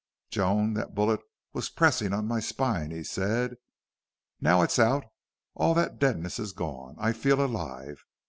"Joan, that bullet was pressing on my spine," he said. "Now it's out, all that deadness is gone. I feel alive.